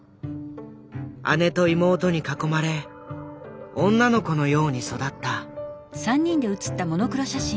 姉と妹に囲まれ女の子のように育った。